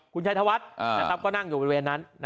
คุณชัยธวัฒน์ก็นั่งอยู่บริเวณนั้น